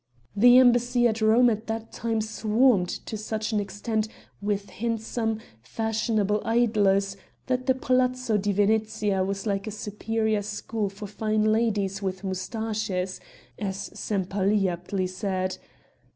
The embassy at Rome at that time swarmed to such an extent with handsome, fashionable idlers that the Palazzo di Venezia was like a superior school for fine ladies with moustaches as Sempaly aptly said.